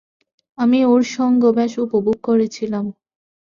আমি ওর সঙ্গ বেশ উপভোগ করেছিলাম।